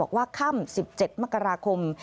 บอกว่าค่ำ๑๗มกราคม